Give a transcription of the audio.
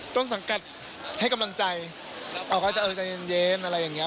ต้นสังกัดให้กำลังใจออกก็จะเออใจเย็นอะไรอย่างนี้